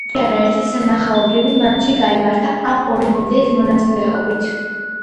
იმ პერიოდში არაერთი სანახაობრივი მატჩი გაიმართა ამ ორი გუნდის მონაწილეობით.